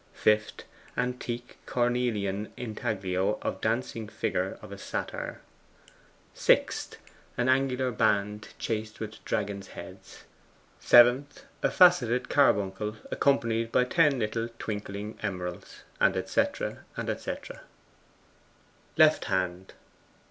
5th. Antique cornelian intaglio of dancing figure of a satyr. 6th. An angular band chased with dragons' heads. 7th. A facetted carbuncle accompanied by ten little twinkling emeralds; &c. &c. LEFT HAND.